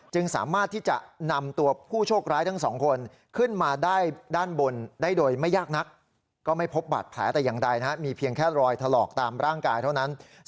จึงสามารถที่จะนำตัวผู้โชคร้ายทั้งสองคน